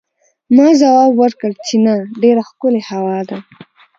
ما ځواب ورکړ چې نه، ډېره ښکلې هوا ده.